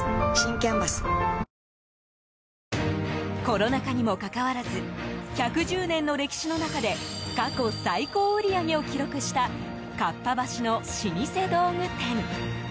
コロナ禍にもかかわらず１１０年の歴史の中で過去最高売り上げを記録したかっぱ橋の老舗道具店。